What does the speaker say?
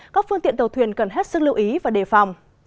các phương tiện tàu thuyền cần hết sức lưu ý và đề phòng